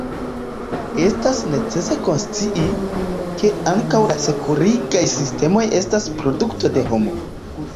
Estas necese konscii, ke ankaŭ la sekurigaj sistemoj estas produkto de homo.